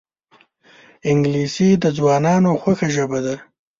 انګلیسي د ځوانانو خوښه ژبه ده